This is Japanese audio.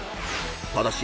［ただし］